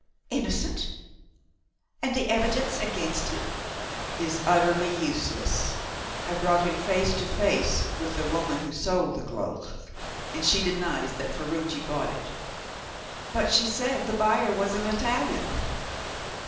"Innocent! And the evidence against him?" "Is utterly useless. I brought him face to face with the woman who sold the cloak, and she denies that Ferruci bought it." "But she said the buyer was an Italian."